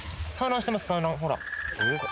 ほら。